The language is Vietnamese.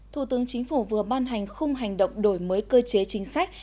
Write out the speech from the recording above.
thủ tướng chính phủ vừa ban hành khung hành động đổi mới cơ chế chính sách